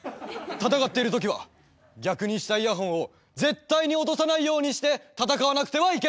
戦っているときは逆にしたイヤホンを絶対に落とさないようにして戦わなくてはいけない！